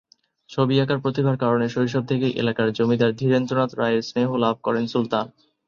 ছবি আঁকার প্রতিভার কারণে শৈশব থেকেই এলাকার জমিদার ধীরেন্দ্রনাথ রায়ের স্নেহ লাভ করেন সুলতান।